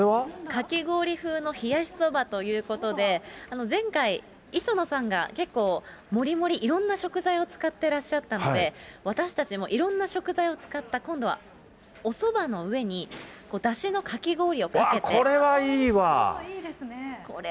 かき氷風の冷やしそばということで、前回、磯野さんが結構、もりもり、いろんな食材を使ってらっしゃったので、私たちもいろんな食材を使った、今度はおそばの上に、だしのかき氷をかけて。